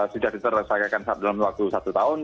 sudah diselesaikan dalam waktu satu tahun